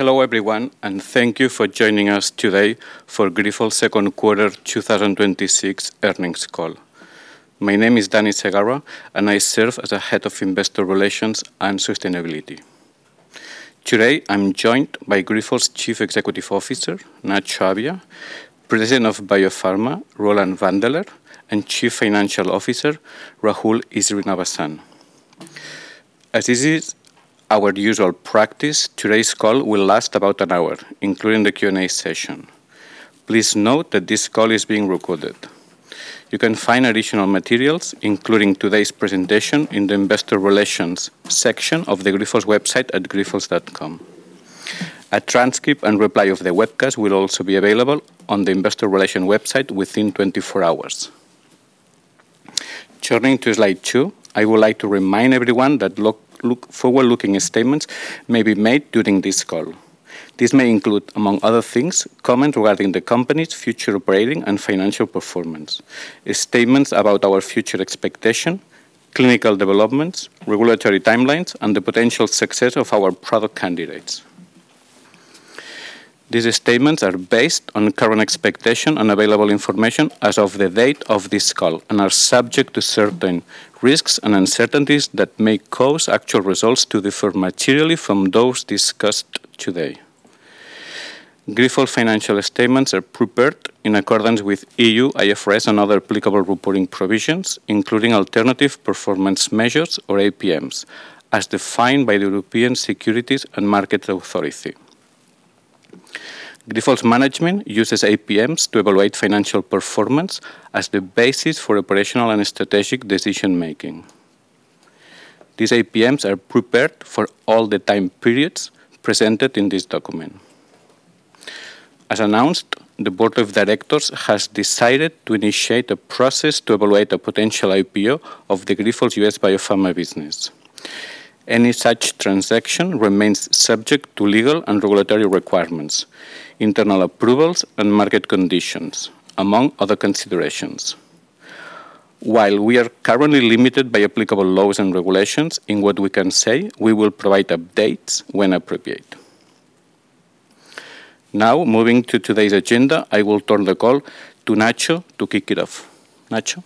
Hello everyone, and thank you for joining us today for Grifols' Second Quarter 2026 Earnings Call. My name is Daniel Segarra, and I serve as the Head of Investor Relations and Sustainability. Today, I'm joined by Grifols' Chief Executive Officer, Nacho Abia, President of Biopharma, Roland Wandeler, and Chief Financial Officer, Rahul Srinivasan. As is our usual practice, today's call will last about an hour, including the Q&A session. Please note that this call is being recorded. You can find additional materials, including today's presentation, in the investor relations section of the grifols.com website. A transcript and replay of the webcast will also be available on the investor relations website within 24 hours. Turning to slide two, I would like to remind everyone that forward-looking statements may be made during this call. These may include, among other things, comments regarding the company's future operating and financial performance, statements about our future expectations, clinical developments, regulatory timelines, and the potential success of our product candidates. These statements are based on current expectations and available information as of the date of this call and are subject to certain risks and uncertainties that may cause actual results to differ materially from those discussed today. Grifols financial statements are prepared in accordance with EU-IFRS and other applicable reporting provisions, including Alternative Performance Measures, or APMs, as defined by the European Securities and Markets Authority. Grifols management uses APMs to evaluate financial performance as the basis for operational and strategic decision-making. These APMs are prepared for all the time periods presented in this document. As announced, the board of directors has decided to initiate a process to evaluate a potential IPO of the Grifols U.S. Biopharma business. Any such transaction remains subject to legal and regulatory requirements, internal approvals, and market conditions, among other considerations. While we are currently limited by applicable laws and regulations in what we can say, we will provide updates when appropriate. Moving to today's agenda, I will turn the call to Nacho to kick it off. Nacho?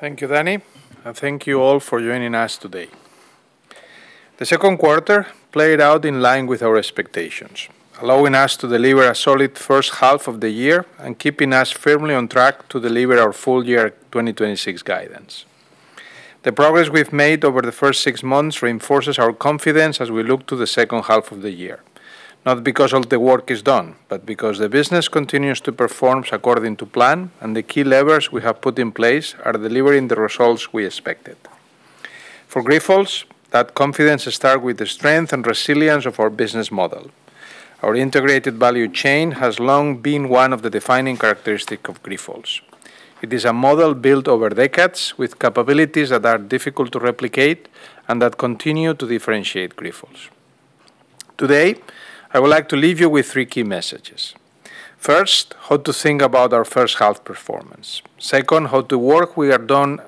Thank you, Danny. Thank you all for joining us today. The second quarter played out in line with our expectations, allowing us to deliver a solid first half of the year and keeping us firmly on track to deliver our full year 2026 guidance. The progress we've made over the first six months reinforces our strong confidence as we look to the second half of the year, not because all the work is done, but because the business continues to perform according to plan, and the key levers we have put in place are delivering the results we expected. For Grifols, that confidence starts with the strength and resilience of our business model. Our integrated value chain has long been one of the defining characteristics of Grifols. It is a model built over decades with capabilities that are difficult to replicate and that continue to differentiate Grifols. Today, I would like to leave you with three key messages. First, how to think about our first half performance. Second, how the work we have done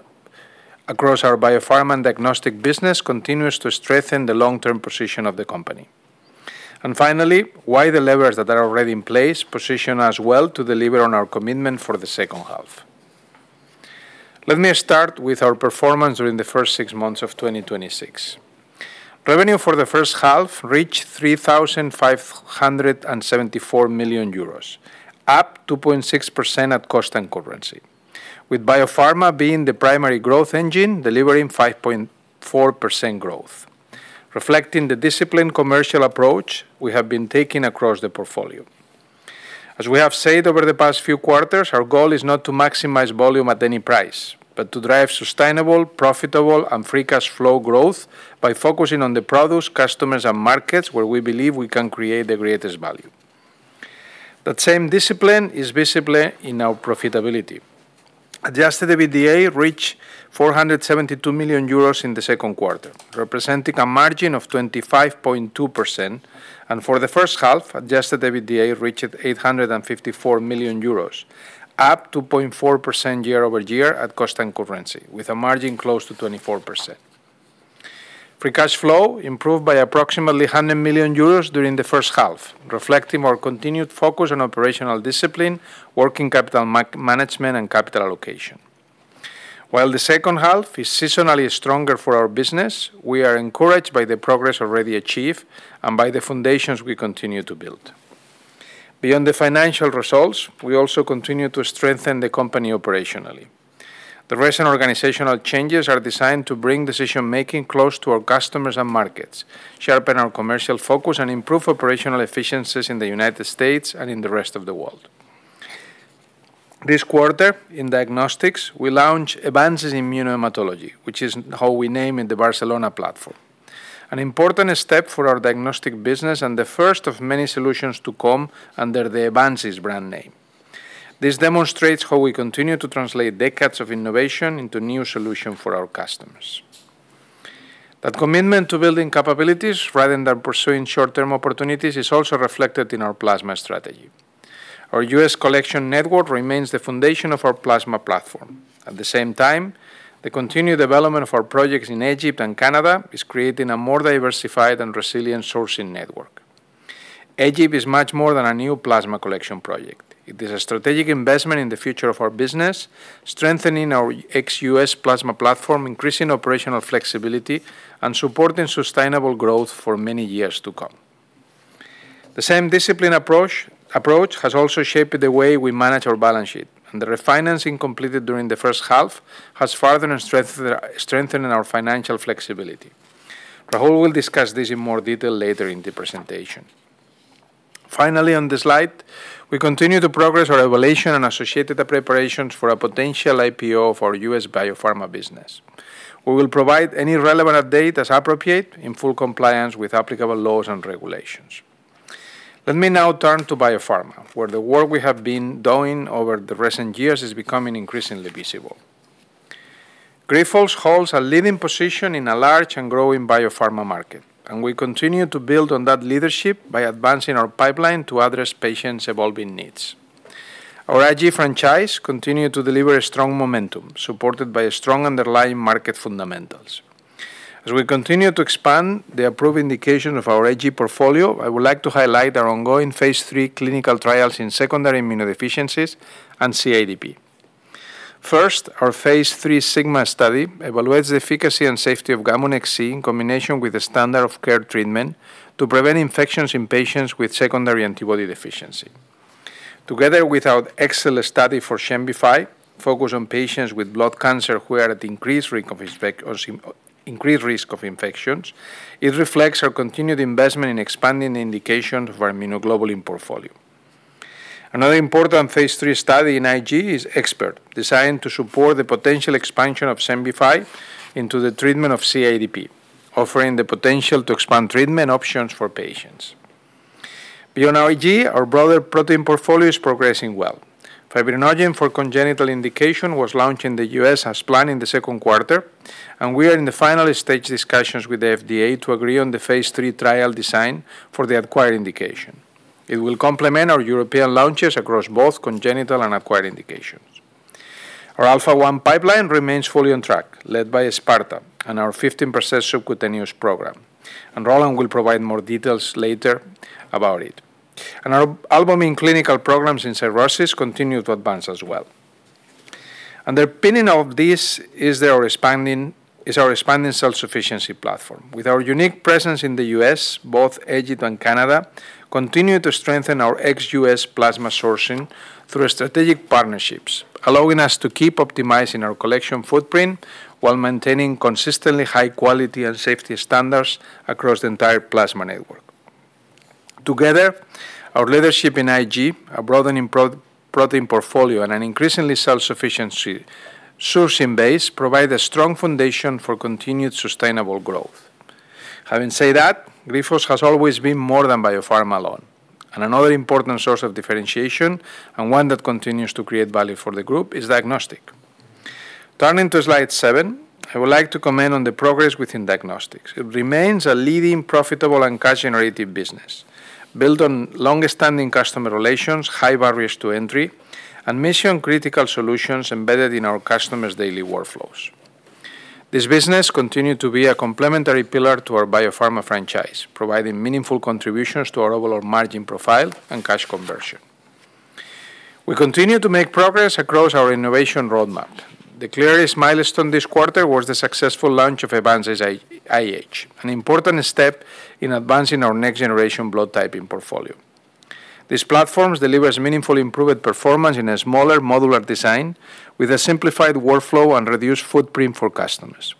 across our Biopharma and Diagnostics business continues to strengthen the long-term position of the company. Finally, why the levers that are already in place position us well to deliver on our commitment for the second half. Let me start with our performance during the first six months of 2026. Revenue for the first half reached 3,574 million euros, up 2.6% at constant currency, with Biopharma being the primary growth engine, delivering 5.4% growth, reflecting the disciplined commercial approach we have been taking across the portfolio. As we have said over the past few quarters, our goal is not to maximize volume at any price, but to drive sustainable, profitable, and free cash flow growth by focusing on the products, customers, and markets where we believe we can create the greatest value. That same discipline is visible in our profitability. Adjusted EBITDA reached 472 million euros in the second quarter, representing a margin of 25.2%, and for the first half, adjusted EBITDA reached 854 million euros, up 2.4% year-over-year at constant currency, with a margin close to 24%. Free cash flow improved by approximately 100 million euros during the first half, reflecting our continued focus on operational discipline, working capital management, and capital allocation. While the second half is seasonally stronger for our business, we are encouraged by the progress already achieved and by the foundations we continue to build. Beyond the financial results, we also continue to strengthen the company operationally. The recent organizational changes are designed to bring decision-making close to our customers and markets, sharpen our commercial focus, and improve operational efficiencies in the U.S. and in the rest of the world. This quarter in Diagnostics, we launched Evanzys Immunohematology, which is how we name the Barcelona platform. An important step for our Diagnostics business and the first of many solutions to come under the Evanzys brand name. This demonstrates how we continue to translate decades of innovation into new solutions for our customers. That commitment to building capabilities rather than pursuing short-term opportunities is also reflected in our plasma strategy. Our U.S. collection network remains the foundation of our plasma platform. At the same time, the continued development of our projects in Egypt and Canada is creating a more diversified and resilient sourcing network. Egypt is much more than a new plasma collection project. It is a strategic investment in the future of our business, strengthening our ex-U.S. plasma platform, increasing operational flexibility, and supporting sustainable growth for many years to come. The same disciplined approach has also shaped the way we manage our balance sheet, and the refinancing completed during the first half has further strengthened our financial flexibility. Rahul will discuss this in more detail later in the presentation. Finally, on this slide, we continue to progress our evaluation and associated preparations for a potential IPO for our U.S. Biopharma business. We will provide any relevant update as appropriate in full compliance with applicable laws and regulations. Let me now turn to Biopharma, where the work we have been doing over the recent years is becoming increasingly visible. Grifols holds a leading position in a large and growing Biopharma market, and we continue to build on that leadership by advancing our pipeline to address patients' evolving needs. Our IG franchise continued to deliver strong momentum, supported by strong underlying market fundamentals. As we continue to expand the approved indication of our IG portfolio, I would like to highlight our ongoing phase III clinical trials in secondary immunodeficiencies and CIDP. First, our phase III SIGMA study evaluates the efficacy and safety of GAMUNEX-C in combination with the standard of care treatment to prevent infections in patients with secondary antibody deficiency. Together with our excellent study for XEMBIFY, focused on patients with blood cancer who are at increased risk of infections, it reflects our continued investment in expanding the indication of our Immunoglobulin portfolio. Another important phase III study in IG is XPERT, designed to support the potential expansion of XEMBIFY into the treatment of CIDP, offering the potential to expand treatment options for patients. Beyond our IG, our broader protein portfolio is progressing well. Fibrinogen for congenital indication was launched in the U.S. as planned in the second quarter. We are in the final stage discussions with the FDA to agree on the phase III trial design for the acquired indication. It will complement our European launches across both congenital and acquired indications. Our Alpha-1 pipeline remains fully on track, led by SPARTA and our 15% subcutaneous program. Roland Wandeler will provide more details later about it. Our Albumin clinical programs in cirrhosis continue to advance as well. The opinion of this is our expanding self-sufficiency platform. With our unique presence in the U.S., both Egypt and Canada continue to strengthen our ex-U.S. plasma sourcing through strategic partnerships, allowing us to keep optimizing our collection footprint while maintaining consistently high quality and safety standards across the entire plasma network. Together, our leadership in IG, our broadening protein portfolio, and an increasingly self-sufficiency sourcing base provide a strong foundation for continued sustainable growth. Having said that, Grifols has always been more than Biopharma alone. Another important source of differentiation, and one that continues to create value for the group, is Diagnostics. Turning to slide seven, I would like to comment on the progress within Diagnostics. It remains a leading, profitable, and cash-generative business, built on longstanding customer relations, high barriers to entry, and mission-critical solutions embedded in our customers' daily workflows. This business continued to be a complementary pillar to our Biopharma franchise, providing meaningful contributions to our overall margin profile and cash conversion. We continue to make progress across our innovation roadmap. The clearest milestone this quarter was the successful launch of Evanzys IH, an important step in advancing our next-generation blood typing portfolio. These platforms deliver a meaningfully improved performance in a smaller, modular design with a simplified workflow and reduced footprint for customers.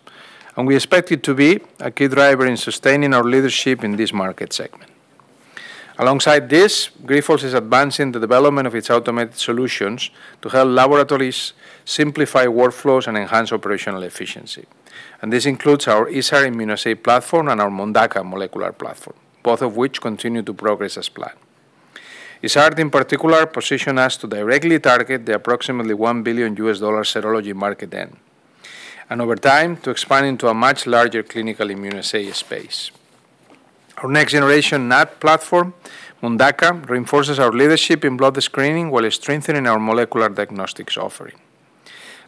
We expect it to be a key driver in sustaining our leadership in this market segment. Alongside this, Grifols is advancing the development of its automated solutions to help laboratories simplify workflows and enhance operational efficiency. This includes our ISAR immunoassay platform and our MONDAQA molecular platform, both of which continue to progress as planned. ISAR, in particular, positions us to directly target the approximately EUR 1 billion serology market end, and over time, to expand into a much larger clinical immunoassay space. Our next-generation NAAT platform, MONDAQA, reinforces our leadership in blood screening while strengthening our molecular diagnostics offering.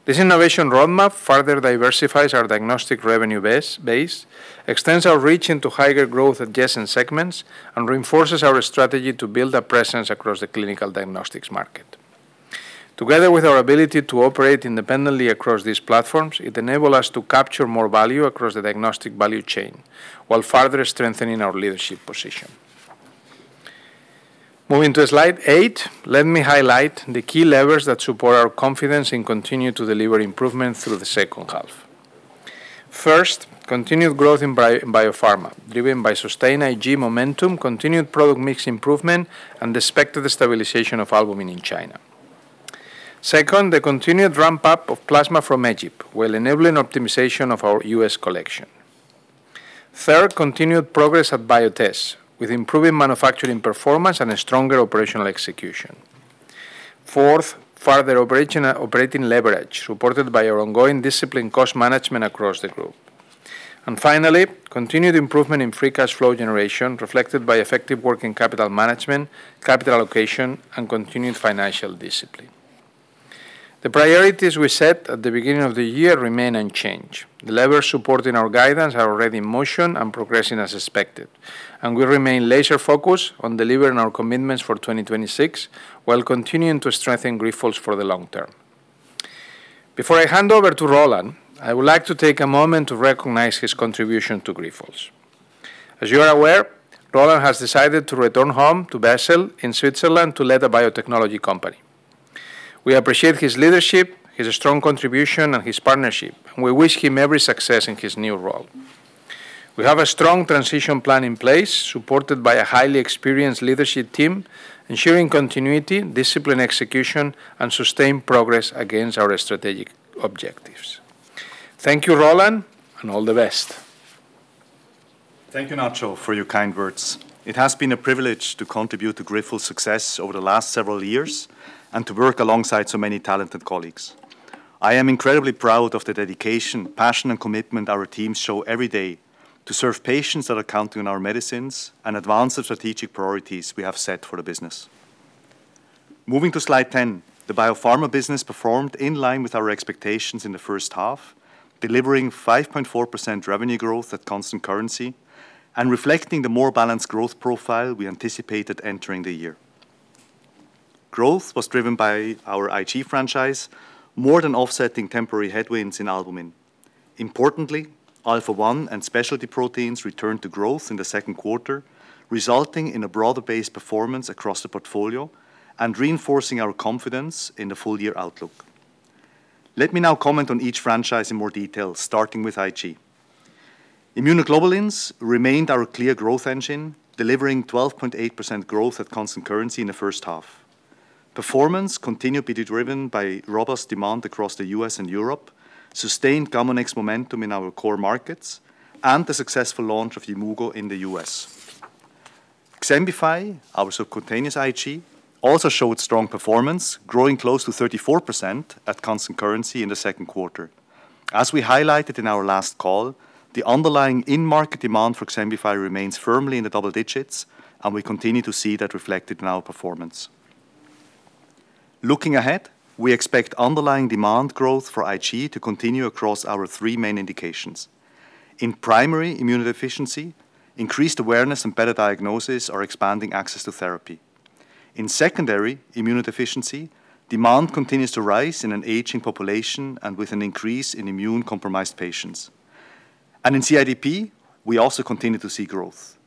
This innovation roadmap further diversifies our diagnostic revenue base, extends our reach into higher growth adjacent segments, and reinforces our strategy to build a presence across the clinical diagnostics market. Together with our ability to operate independently across these platforms, it enables us to capture more value across the diagnostic value chain while further strengthening our leadership position. Moving to slide eight, let me highlight the key levers that support our confidence and continue to deliver improvement through the second half. First, continued growth in Biopharma, driven by sustained IG momentum, continued product mix improvement, and expected stabilization of Albumin in China. Second, the continued ramp-up of plasma from Egypt, while enabling optimization of our U.S. collection. Third, continued progress at Biotest, with improving manufacturing performance and stronger operational execution. Fourth, further operating leverage, supported by our ongoing disciplined cost management across the group. Finally, continued improvement in free cash flow generation reflected by effective working capital management, capital allocation, and continued financial discipline. The priorities we set at the beginning of the year remain unchanged. The levers supporting our guidance are already in motion and progressing as expected, and we remain laser-focused on delivering our commitments for 2026 while continuing to strengthen Grifols for the long term. Before I hand over to Roland, I would like to take a moment to recognize his contribution to Grifols. As you are aware, Roland has decided to return home to Basel in Switzerland to lead a biotechnology company. We appreciate his leadership, his strong contribution, and his partnership. We wish him every success in his new role. We have a strong transition plan in place, supported by a highly experienced leadership team, ensuring continuity, disciplined execution, and sustained progress against our strategic objectives. Thank you, Roland, and all the best. Thank you, Nacho, for your kind words. It has been a privilege to contribute to Grifols' success over the last several years and to work alongside so many talented colleagues. I am incredibly proud of the dedication, passion, and commitment our teams show every day to serve patients that are counting on our medicines and advance the strategic priorities we have set for the business. Moving to Slide 10, the Biopharma business performed in line with our expectations in the first half, delivering 5.4% revenue growth at constant currency and reflecting a more balanced growth profile we anticipated entering the year. Growth was driven by our IG franchise, more than offsetting temporary headwinds in Albumin. Importantly, Alpha-1 and specialty proteins returned to growth in the second quarter, resulting in a broader base performance across the portfolio and reinforcing our confidence in the full-year outlook. Let me now comment on each franchise in more detail, starting with IG. Immunoglobulins remained our clear growth engine, delivering 12.8% growth at constant currency in the first half. Performance continued to be driven by robust demand across the U.S. and Europe, sustained GAMUNEX-C momentum in our core markets, and the successful launch of Yimmugo in the U.S. XEMBIFY, our subcutaneous IG, also showed strong performance, growing close to 34% at constant currency in the second quarter. As we highlighted in our last call, the underlying in-market demand for XEMBIFY remains firmly in the double digits, and we continue to see that reflected in our performance. Looking ahead, we expect underlying demand growth for IG to continue across our three main indications. In primary immunodeficiency, increased awareness and better diagnosis are expanding access to therapy. In secondary immunodeficiency, demand continues to rise in an aging population and with an increase in immune-compromised patients. In CIDP, we also continue to see growth.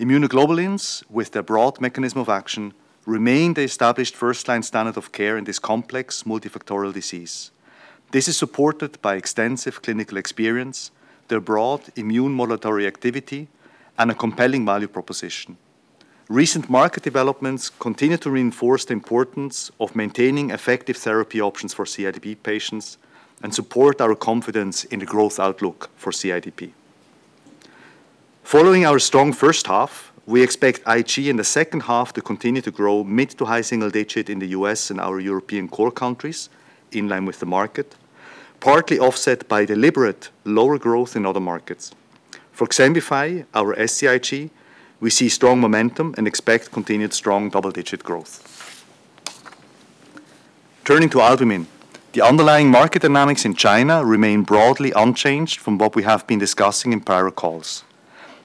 Immunoglobulins, with their broad mechanism of action, remain the established first-line standard of care in this complex multifactorial disease. This is supported by extensive clinical experience, their broad immunomodulatory activity, and a compelling value proposition. Recent market developments continue to reinforce the importance of maintaining effective therapy options for CIDP patients and support our confidence in the growth outlook for CIDP. Following our strong first half, we expect IG in the second half to continue to grow mid- to high single digit in the U.S. and our European core countries, in line with the market, partly offset by deliberate lower growth in other markets. For XEMBIFY, our SCIg, we see strong momentum and expect continued strong double-digit growth. Turning to Albumin, the underlying market dynamics in China remain broadly unchanged from what we have been discussing in prior calls.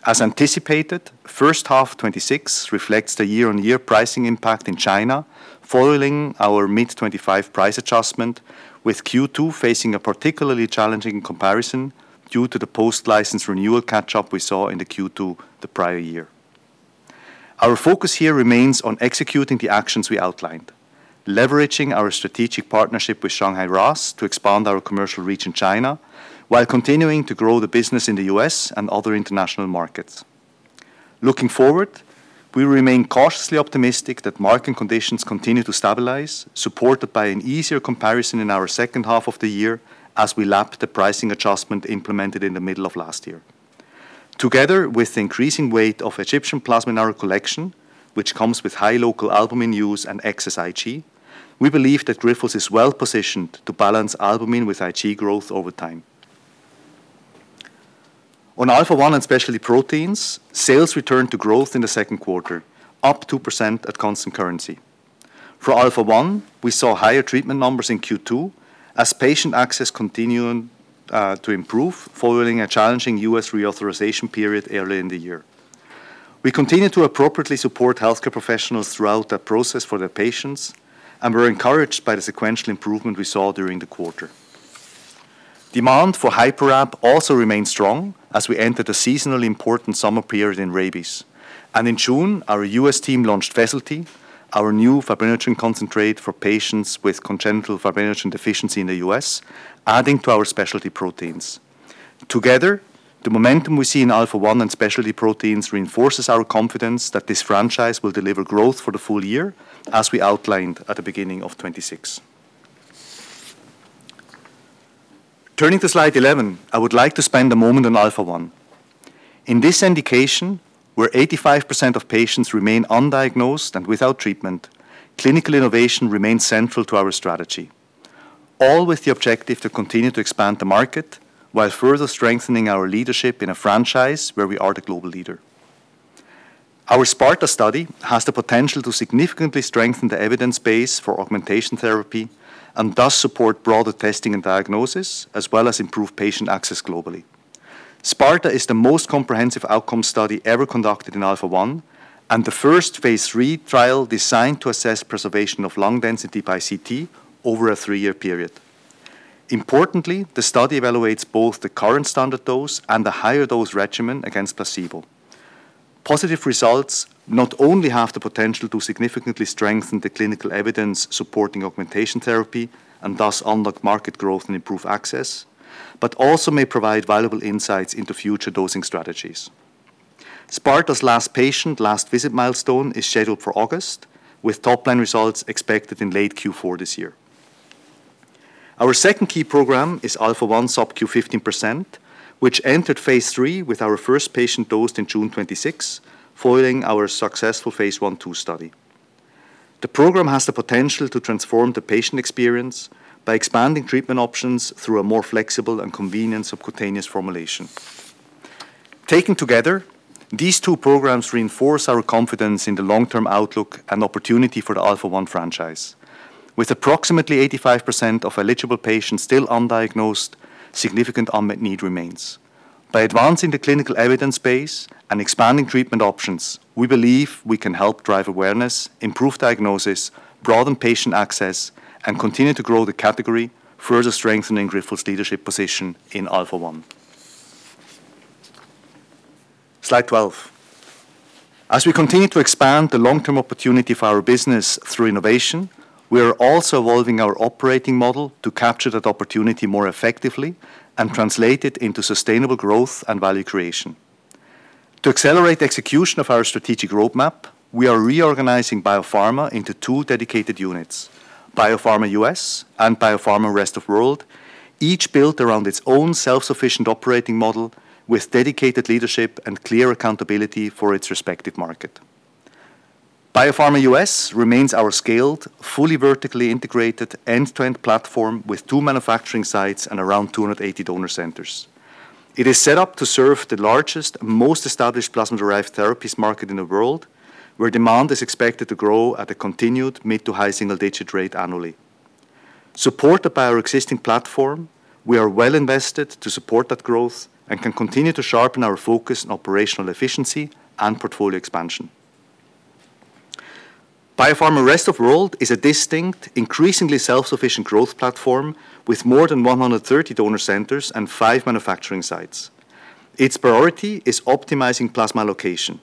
As anticipated, first half 2026 reflects the year-on-year pricing impact in China following our mid-2025 price adjustment, with Q2 facing a particularly challenging comparison due to the post-license renewal catch-up we saw in the Q2 the prior year. Our focus here remains on executing the actions we outlined, leveraging our strategic partnership with Shanghai RAAS to expand our commercial reach in China while continuing to grow the business in the U.S. and other international markets. Looking forward, we remain cautiously optimistic that market conditions continue to stabilize, supported by an easier comparison in our second half of the year as we lap the pricing adjustment implemented in the middle of last year. Together, with the increasing weight of Egyptian plasma in our collection, which comes with high local Albumin use and excess IG, we believe that Grifols is well-positioned to balance Albumin with IG growth over time. On Alpha-1 and specialty proteins, sales returned to growth in the second quarter, up 2% at constant currency. For Alpha-1, we saw higher treatment numbers in Q2 as patient access continued to improve following a challenging U.S. reauthorization period early in the year. We continue to appropriately support healthcare professionals throughout that process for their patients, and we're encouraged by the sequential improvement we saw during the quarter. Demand for HyperRAB also remained strong as we entered the seasonally important summer period in rabies. In June, our U.S. team launched FESILTY, our new Fibrinogen concentrate for patients with congenital fibrinogen deficiency in the U.S., adding to our specialty proteins. Together, the momentum we see in Alpha-1 and specialty proteins reinforces our confidence that this franchise will deliver growth for the full year, as we outlined at the beginning of 2026. Turning to Slide 11, I would like to spend a moment on Alpha-1. In this indication, where 85% of patients remain undiagnosed and without treatment, clinical innovation remains central to our strategy, all with the objective to continue to expand the market while further strengthening our leadership in a franchise where we are the global leader. Our SPARTA study has the potential to significantly strengthen the evidence base for augmentation therapy and thus support broader testing and diagnosis, as well as improve patient access globally. SPARTA is the most comprehensive outcome study ever conducted in Alpha-1, and the first phase III trial designed to assess preservation of lung density by CT over a three-year period. Importantly, the study evaluates both the current standard dose and the higher dose regimen against placebo. Positive results not only have the potential to significantly strengthen the clinical evidence supporting augmentation therapy and thus unlock market growth and improve access, but also may provide valuable insights into future dosing strategies. SPARTA's last patient last visit milestone is scheduled for August, with top-line results expected in late Q4 this year. Our second key program is Alpha-1 sub-Q 15%, which entered phase III with our first patient dosed in June 2026, following our successful phase 1/2 study. The program has the potential to transform the patient experience by expanding treatment options through a more flexible and convenient subcutaneous formulation. Taken together, these two programs reinforce our confidence in the long-term outlook and opportunity for the Alpha-1 franchise. With approximately 85% of eligible patients still undiagnosed, significant unmet need remains. By advancing the clinical evidence base and expanding treatment options, we believe we can help drive awareness, improve diagnosis, broaden patient access, and continue to grow the category, further strengthening Grifols' leadership position in Alpha-1. Slide 12. As we continue to expand the long-term opportunity for our business through innovation, we are also evolving our operating model to capture that opportunity more effectively and translate it into sustainable growth and value creation. To accelerate the execution of our strategic roadmap, we are reorganizing Biopharma into two dedicated units, Biopharma U.S. and Biopharma Rest of World, each built around its own self-sufficient operating model with dedicated leadership and clear accountability for its respective market. Biopharma U.S. remains our scaled, fully vertically integrated, end-to-end platform with two manufacturing sites and around 280 donor centers. It is set up to serve the largest and most established plasma-derived therapies market in the world, where demand is expected to grow at a continued mid-to-high single-digit rate annually. Supported by our existing platform, we are well invested to support that growth and can continue to sharpen our focus on operational efficiency and portfolio expansion. Biopharma Rest of World is a distinct, increasingly self-sufficient growth platform with more than 130 donor centers and five manufacturing sites. Its priority is optimizing plasma location,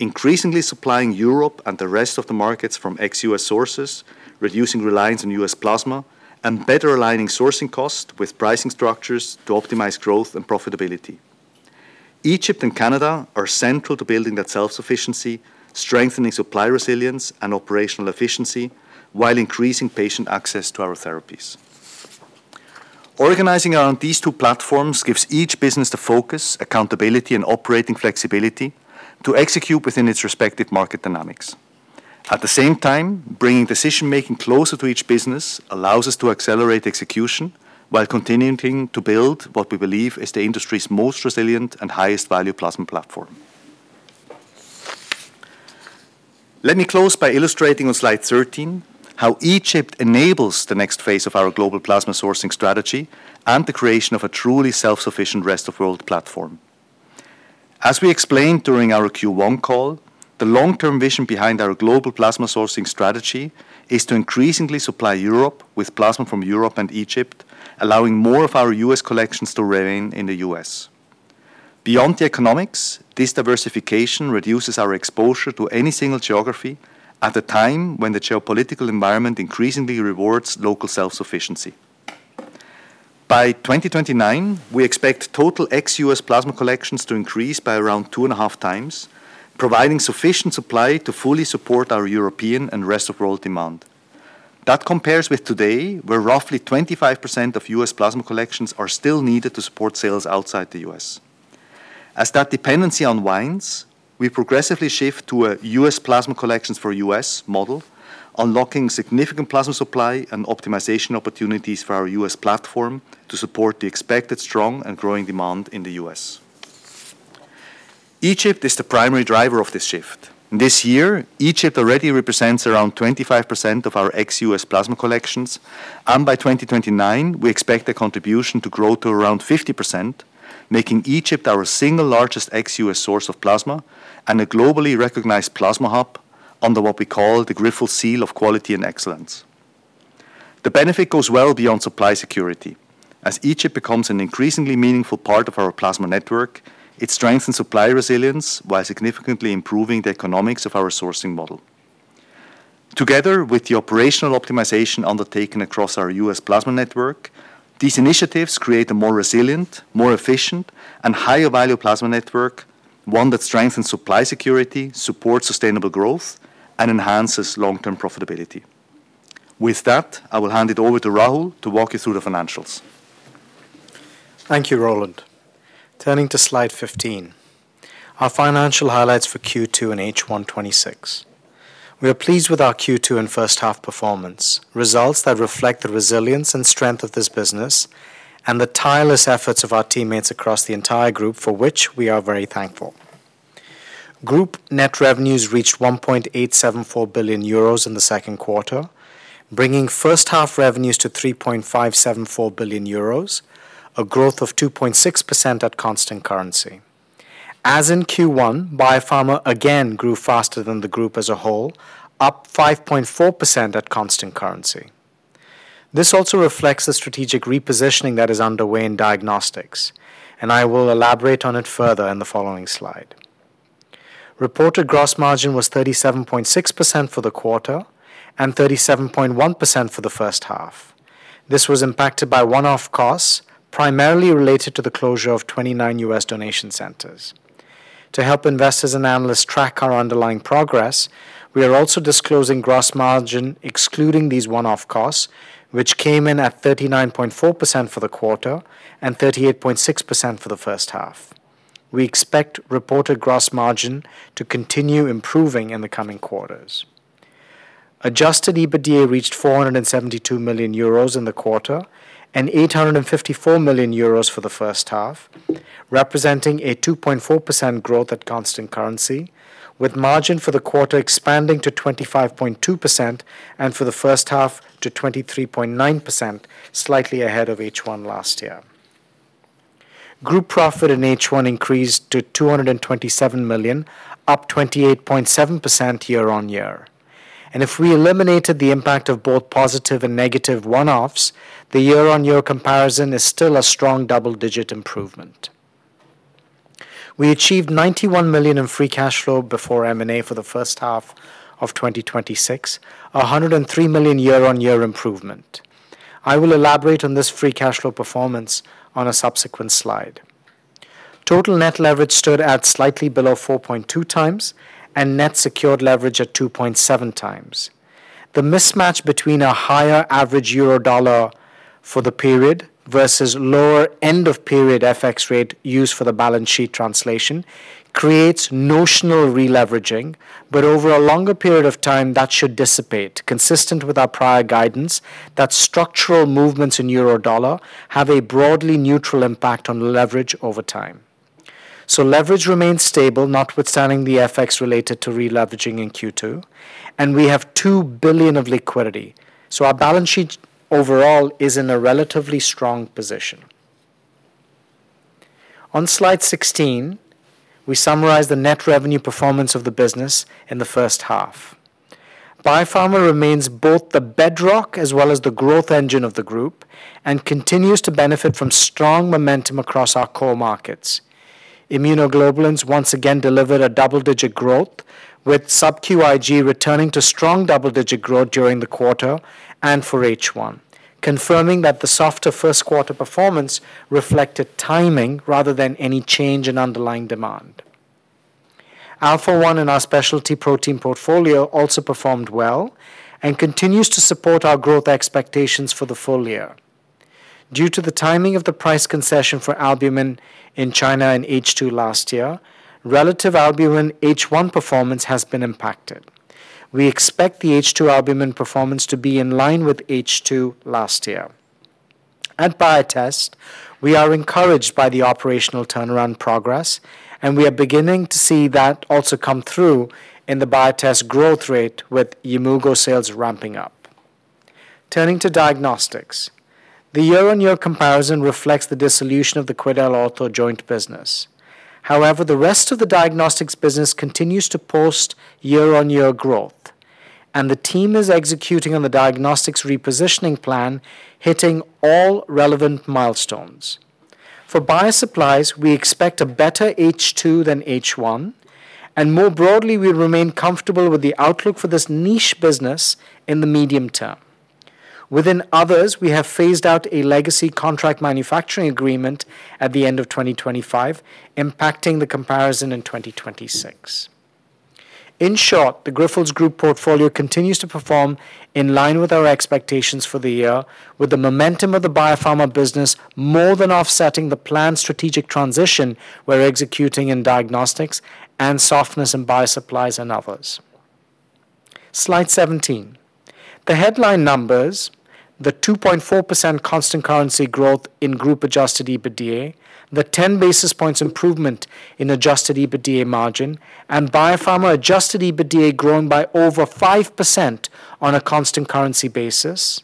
increasingly supplying Europe and the rest of the markets from ex-U.S. sources, reducing reliance on U.S. plasma, and better aligning sourcing cost with pricing structures to optimize growth and profitability. Egypt and Canada are central to building that self-sufficiency, strengthening supply resilience and operational efficiency while increasing patient access to our therapies. Organizing around these two platforms gives each business the focus, accountability, and operating flexibility to execute within its respective market dynamics. At the same time, bringing decision-making closer to each business allows us to accelerate execution while continuing to build what we believe is the industry's most resilient and highest-value plasma platform. Let me close by illustrating on slide 13 how Egypt enables the next phase of our global plasma sourcing strategy and the creation of a truly self-sufficient Rest of World platform. As we explained during our Q1 call, the long-term vision behind our global plasma sourcing strategy is to increasingly supply Europe with plasma from Europe and Egypt, allowing more of our U.S. collections to remain in the U.S. Beyond the economics, this diversification reduces our exposure to any single geography at a time when the geopolitical environment increasingly rewards local self-sufficiency. By 2029, we expect total ex-U.S. plasma collections to increase by around two and a half times, providing sufficient supply to fully support our European and Rest of World demand. That compares with today, where roughly 25% of U.S. plasma collections are still needed to support sales outside the U.S. As that dependency unwinds, we progressively shift to a U.S. plasma collections for U.S. model, unlocking significant plasma supply and optimization opportunities for our U.S. platform to support the expected strong and growing demand in the U.S. Egypt is the primary driver of this shift. This year, Egypt already represents around 25% of our ex-U.S. plasma collections, and by 2029, we expect a contribution to grow to around 50%, making Egypt our single largest ex-U.S. source of plasma and a globally recognized plasma hub under what we call the Grifols seal of quality and excellence. The benefit goes well beyond supply security. As Egypt becomes an increasingly meaningful part of our plasma network, it strengthens supply resilience while significantly improving the economics of our sourcing model. Together with the operational optimization undertaken across our U.S. plasma network, these initiatives create a more resilient, more efficient, and higher-value plasma network, one that strengthens supply security, supports sustainable growth, and enhances long-term profitability. With that, I will hand it over to Rahul to walk you through the financials. Thank you, Roland. Turning to slide 15, our financial highlights for Q2 and H1 2026. We are pleased with our Q2 and first half performance, results that reflect the resilience and strength of this business and the tireless efforts of our teammates across the entire group, for which we are very thankful. Group net revenues reached 1.874 billion euros in the second quarter, bringing first half revenues to 3.574 billion euros, a growth of 2.6% at constant currency. As in Q1, Biopharma again grew faster than the group as a whole, up 5.4% at constant currency. This also reflects the strategic repositioning that is underway in diagnostics. I will elaborate on it further in the following slide. Reported gross margin was 37.6% for the quarter and 37.1% for the first half. This was impacted by one-off costs, primarily related to the closure of 29 U.S. donation centers. To help investors and analysts track our underlying progress, we are also disclosing gross margin excluding these one-off costs, which came in at 39.4% for the quarter and 38.6% for the first half. We expect reported gross margin to continue improving in the coming quarters. Adjusted EBITDA reached 472 million euros in the quarter and 854 million euros for the first half, representing a 2.4% growth at constant currency, with margin for the quarter expanding to 25.2% and for the first half to 23.9%, slightly ahead of H1 last year. Group profit in H1 increased to 227 million, up 28.7% year-on-year. If we eliminated the impact of both positive and negative one-offs, the year-on-year comparison is still a strong double-digit improvement. We achieved 91 million in free cash flow before M&A for the first half of 2026, 103 million year-on-year improvement. I will elaborate on this free cash flow performance on a subsequent slide. Total net leverage stood at slightly below 4.2x and net secured leverage at 2.7x. The mismatch between a higher average euro/dollar for the period versus lower end of period FX rate used for the balance sheet translation creates notional releveraging, but over a longer period of time, that should dissipate, consistent with our prior guidance that structural movements in euro/dollar have a broadly neutral impact on leverage over time. Leverage remains stable, notwithstanding the FX related to releveraging in Q2, and we have 2 billion of liquidity. Our balance sheet overall is in a relatively strong position. On slide 16, we summarize the net revenue performance of the business in the first half. Biopharma remains both the bedrock as well as the growth engine of the group and continues to benefit from strong momentum across our core markets. Immunoglobulins once again delivered a double-digit growth, with sub-Q IG returning to strong double-digit growth during the quarter and for H1, confirming that the softer first quarter performance reflected timing rather than any change in underlying demand. Alpha-1 and our specialty protein portfolio also performed well and continues to support our growth expectations for the full year. Due to the timing of the price concession for Albumin in China in H2 last year, relative Albumin H1 performance has been impacted. We expect the H2 Albumin performance to be in line with H2 last year. At Biotest, we are encouraged by the operational turnaround progress, and we are beginning to see that also come through in the Biotest growth rate with Yimmugo sales ramping up. Turning to diagnostics. The year-on-year comparison reflects the dissolution of the QuidelOrtho joint business. However, the rest of the diagnostics business continues to post year-on-year growth, and the team is executing on the diagnostics repositioning plan, hitting all relevant milestones. For Bio Supplies, we expect a better H2 than H1, and more broadly, we remain comfortable with the outlook for this niche business in the medium term. Within others, we have phased out a legacy contract manufacturing agreement at the end of 2025, impacting the comparison in 2026. In short, the Grifols group portfolio continues to perform in line with our expectations for the year, with the momentum of the Biopharma business more than offsetting the planned strategic transition we're executing in diagnostics and softness in Bio Supplies and others. Slide 17. The headline numbers, the 2.4% constant currency growth in group-adjusted EBITDA, the 10 basis points improvement in adjusted EBITDA margin, and Biopharma adjusted EBITDA growing by over 5% on a constant currency basis,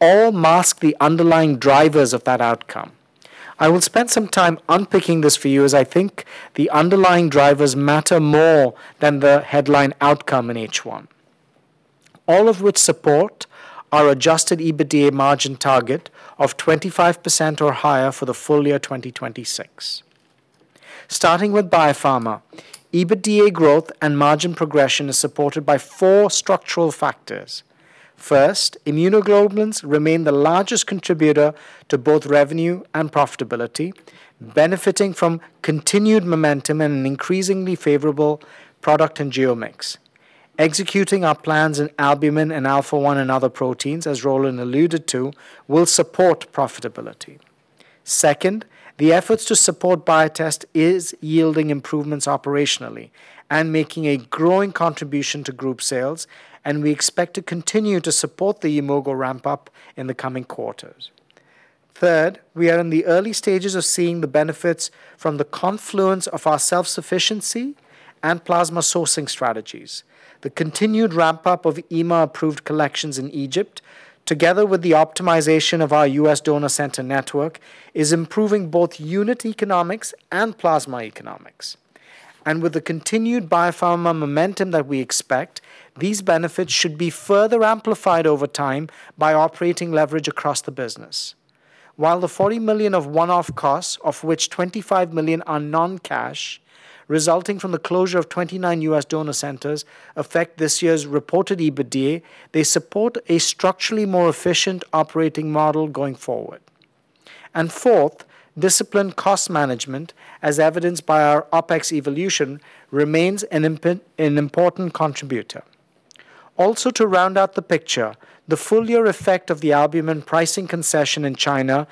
all mask the underlying drivers of that outcome. I will spend some time unpicking this for you, as I think the underlying drivers matter more than the headline outcome in H1. All of which support our adjusted EBITDA margin target of 25% or higher for the full year 2026. Starting with Biopharma, EBITDA growth and margin progression is supported by four structural factors. First, immunoglobulins remain the largest contributor to both revenue and profitability, benefiting from continued momentum and an increasingly favorable product and geo mix. Executing our plans in Albumin and Alpha-1 and other proteins, as Roland alluded to, will support profitability. Second, the efforts to support Biotest is yielding improvements operationally and making a growing contribution to group sales. We expect to continue to support the Yimmugo ramp-up in the coming quarters. Third, we are in the early stages of seeing the benefits from the confluence of our self-sufficiency and plasma sourcing strategies. The continued ramp-up of EMA-approved collections in Egypt, together with the optimization of our U.S. donor center network, is improving both unit economics and plasma economics. With the continued Biopharma momentum that we expect, these benefits should be further amplified over time by operating leverage across the business. The 40 million of one-off costs, of which 25 million are non-cash, resulting from the closure of 29 U.S. donor centers affect this year's reported EBITDA, they support a structurally more efficient operating model going forward. Fourth, disciplined cost management, as evidenced by our OpEx evolution, remains an important contributor. Also, to round out the picture, the full-year effect of the Albumin pricing concession in China,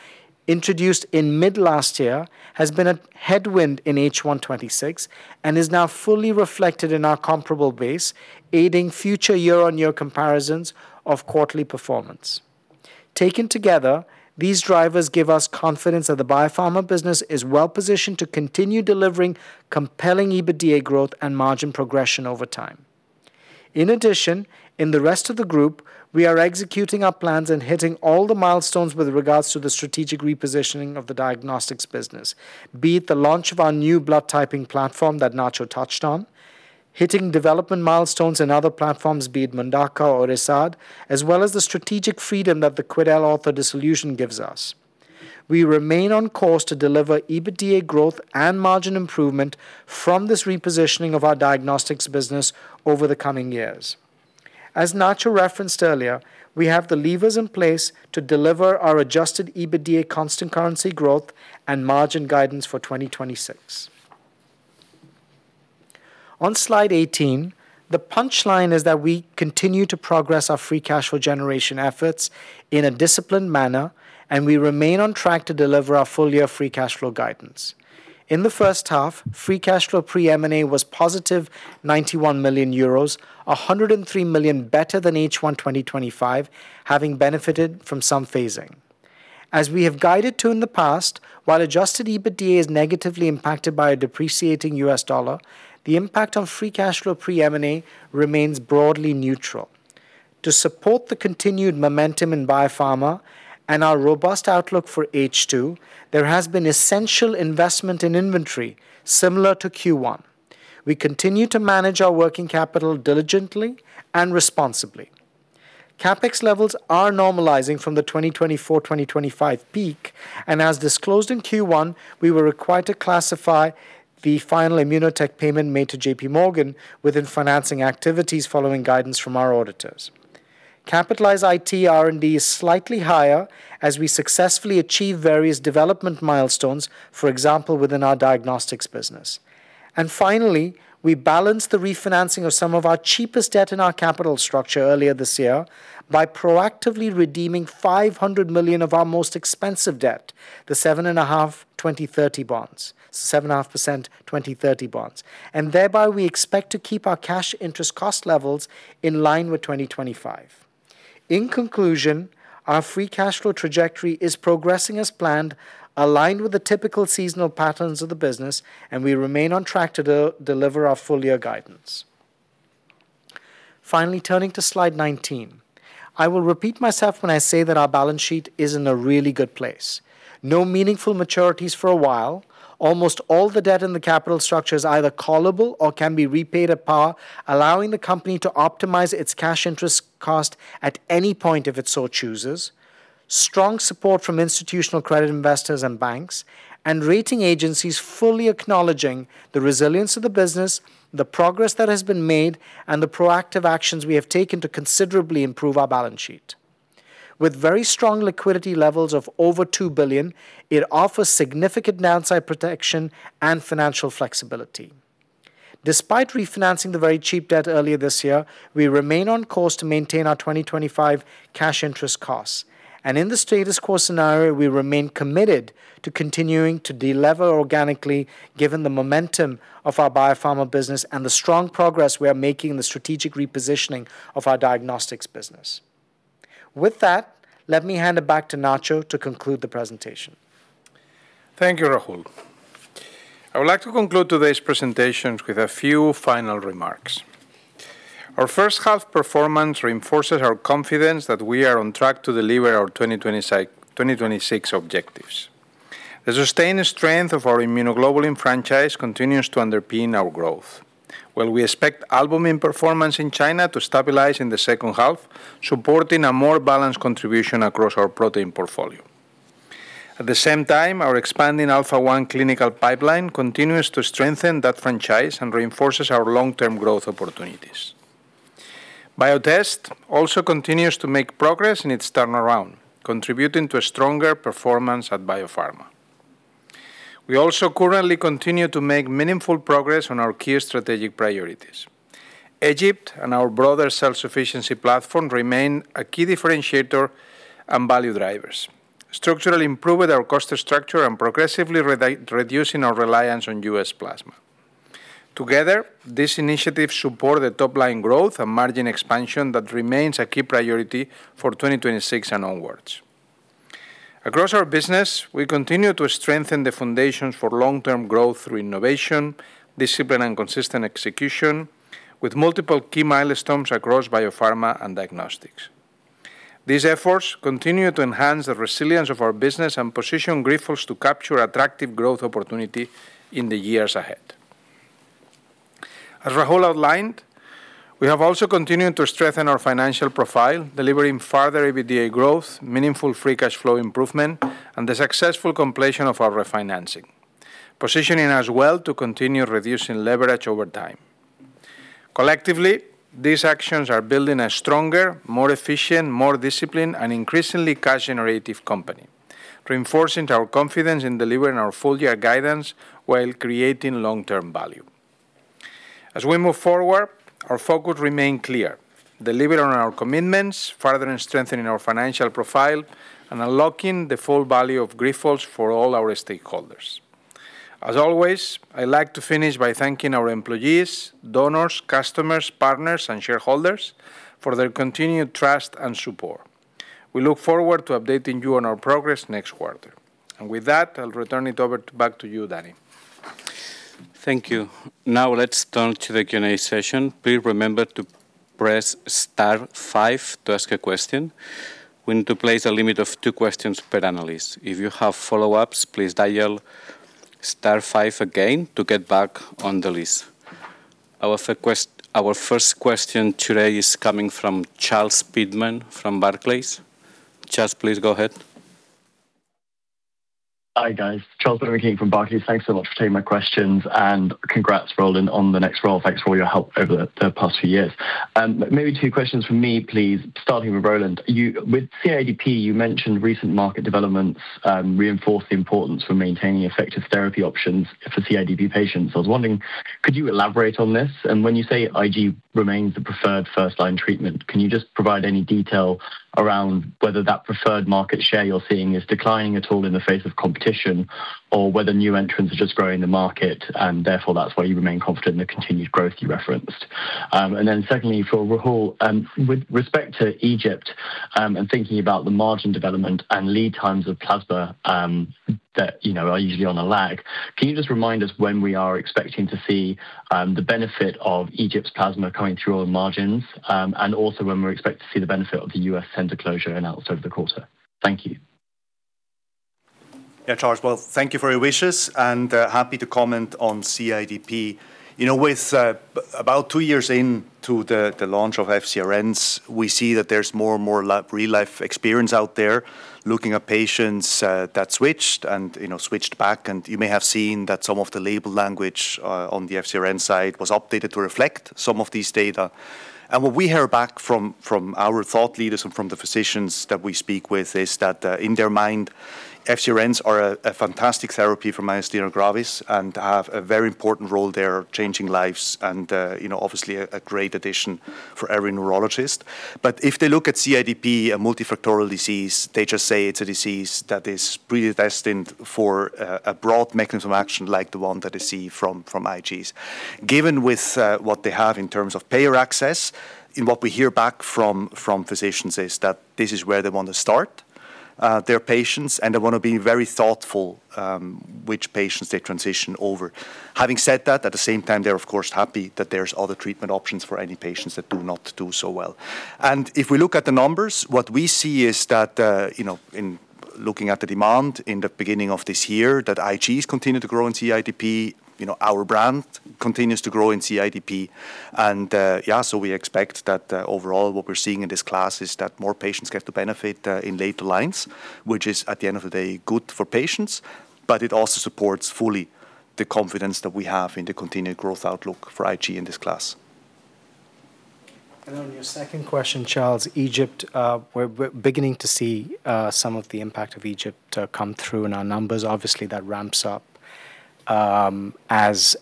introduced in mid last year, has been a headwind in H1 2026 and is now fully reflected in our comparable base, aiding future year-on-year comparisons of quarterly performance. Taken together, these drivers give us confidence that the Biopharma business is well-positioned to continue delivering compelling EBITDA growth and margin progression over time. In addition, in the rest of the group, we are executing our plans and hitting all the milestones with regards to the strategic repositioning of the diagnostics business, be it the launch of our new blood typing platform that Nacho touched on, hitting development milestones in other platforms, be it MONDAQA or ISAR, as well as the strategic freedom that the QuidelOrtho offer dissolution gives us. We remain on course to deliver EBITDA growth and margin improvement from this repositioning of our diagnostics business over the coming years. As Nacho referenced earlier, we have the levers in place to deliver our adjusted EBITDA constant currency growth and margin guidance for 2026. On slide 18, the punchline is that we continue to progress our free cash flow generation efforts in a disciplined manner, and we remain on track to deliver our full-year free cash flow guidance. In the first half, free cash flow pre-M&A was positive 91 million euros, 103 million better than H1 2025, having benefited from some phasing. As we have guided to in the past, while adjusted EBITDA is negatively impacted by a depreciating U.S. dollar, the impact on free cash flow pre-M&A remains broadly neutral. To support the continued momentum in Biopharma and our robust outlook for H2, there has been essential investment in inventory similar to Q1. We continue to manage our working capital diligently and responsibly. CapEx levels are normalizing from the 2024-2025 peak, as disclosed in Q1, we were required to classify the final ImmunoTek payment made to JPMorgan within financing activities following guidance from our auditors. Capitalized IT R&D is slightly higher as we successfully achieve various development milestones, for example, within our diagnostics business. Finally, we balanced the refinancing of some of our cheapest debt in our capital structure earlier this year by proactively redeeming 500 million of our most expensive debt, the 7.5% 2030 bonds, thereby we expect to keep our cash interest cost levels in line with 2025. In conclusion, our free cash flow trajectory is progressing as planned, aligned with the typical seasonal patterns of the business, we remain on track to deliver our full-year guidance. Finally, turning to slide 19. I will repeat myself when I say that our balance sheet is in a really good place. No meaningful maturities for a while. Almost all the debt in the capital structure is either callable or can be repaid at par, allowing the company to optimize its cash interest cost at any point if it so chooses. Strong support from institutional credit investors and banks, rating agencies fully acknowledging the resilience of the business, the progress that has been made, the proactive actions we have taken to considerably improve our balance sheet. With very strong liquidity levels of over 2 billion, it offers significant downside protection and financial flexibility. Despite refinancing the very cheap debt earlier this year, we remain on course to maintain our 2025 cash interest costs. In the status quo scenario, we remain committed to continuing to delever organically, given the momentum of our Biopharma business and the strong progress we are making in the strategic repositioning of our diagnostics business. With that, let me hand it back to Nacho to conclude the presentation. Thank you, Rahul. I would like to conclude today's presentation with a few final remarks. Our first half performance reinforces our confidence that we are on track to deliver our 2026 objectives. The sustained strength of our Immunoglobulin franchise continues to underpin our growth, while we expect Albumin performance in China to stabilize in the second half, supporting a more balanced contribution across our protein portfolio. At the same time, our expanding Alpha-1 clinical pipeline continues to strengthen that franchise and reinforces our long-term growth opportunities. Biotest also continues to make progress in its turnaround, contributing to a stronger performance at Biopharma. We also currently continue to make meaningful progress on our key strategic priorities. Egypt and our broader self-sufficiency platform remain a key differentiator and value drivers, structurally improving our cost structure and progressively reducing our reliance on U.S. plasma. Together, these initiatives support the top-line growth and margin expansion that remains a key priority for 2026 and onwards. Across our business, we continue to strengthen the foundations for long-term growth through innovation, discipline, and consistent execution, with multiple key milestones across biopharma and diagnostics. These efforts continue to enhance the resilience of our business and position Grifols to capture attractive growth opportunity in the years ahead. As Rahul outlined, we have also continued to strengthen our financial profile, delivering further EBITDA growth, meaningful free cash flow improvement, and the successful completion of our refinancing, positioning us well to continue reducing leverage over time. Collectively, these actions are building a stronger, more efficient, more disciplined, and increasingly cash-generative company, reinforcing our confidence in delivering our full-year guidance while creating long-term value. As we move forward, our focus remains clear: deliver on our commitments, further strengthening our financial profile, and unlocking the full value of Grifols for all our stakeholders. As always, I like to finish by thanking our employees, donors, customers, partners, and shareholders for their continued trust and support. We look forward to updating you on our progress next quarter. With that, I'll return it over back to you, Danny. Thank you. Now let's turn to the Q&A session. Please remember to press star five to ask a question. We need to place a limit of two questions per analyst. If you have follow-ups, please dial star five again to get back on the list. Our first question today is coming from Charles Pitman from Barclays. Charles, please go ahead. Hi, guys. Charles Pitman here from Barclays. Thanks so much for taking my questions, and congrats, Roland, on the next role. Thanks for all your help over the past few years. Maybe two questions from me, please, starting with Roland. With CIDP, you mentioned recent market developments reinforce the importance for maintaining effective therapy options for CIDP patients. I was wondering, could you elaborate on this? When you say IG remains the preferred first-line treatment, can you just provide any detail around whether that preferred market share you're seeing is declining at all in the face of competition, or whether new entrants are just growing the market, and therefore that's why you remain confident in the continued growth you referenced? Secondly, for Rahul, with respect to Egypt, thinking about the margin development and lead times of plasma that are usually on a lag, can you just remind us when we are expecting to see the benefit of Egypt's plasma coming through on margins? When we expect to see the benefit of the U.S. center closure announced over the quarter. Thank you. Yeah, Charles. Well, thank you for your wishes, happy to comment on CIDP. With about two years into the launch of FcRns, we see that there's more and more real-life experience out there looking at patients that switched and switched back. You may have seen that some of the label language on the FcRn side was updated to reflect some of this data. What we hear back from our thought leaders and from the physicians that we speak with is that, in their mind, FcRns are a fantastic therapy for myasthenia gravis and have a very important role there, changing lives, obviously a great addition for every neurologist. If they look at CIDP, a multifactorial disease, they just say it's a disease that is predestined for a broad mechanism action like the one that is seen from IGs. Given with what they have in terms of payer access, what we hear back from physicians, is that this is where they want to start their patients, they want to be very thoughtful which patients they transition over. Having said that, at the same time, they're of course happy that there's other treatment options for any patients that do not do so well. If we look at the numbers, what we see is that, in looking at the demand in the beginning of this year, IGs continue to grow in CIDP. Our brand continues to grow in CIDP, we expect that overall what we're seeing in this class is that more patients get the benefit in later lines, which is, at the end of the day, good for patients, it also supports fully the confidence that we have in the continued growth outlook for IG in this class. On your second question, Charles, Egypt, we're beginning to see some of the impact of Egypt come through in our numbers. Obviously, that ramps up as